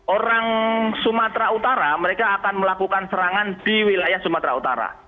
orang sumatera utara mereka akan melakukan serangan di wilayah sumatera utara